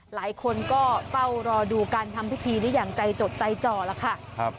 หลายคนก็เฝ้ารอดูการทำพิธีนี้อย่างใจจดใจจ่อแล้วค่ะ